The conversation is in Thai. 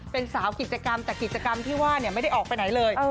เป็นสาวกิจกรรมแต่กิจกรรมที่ว่าไม่ได้ออกไปไหนเลย